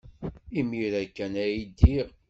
Imir-a kan ay ddiɣ.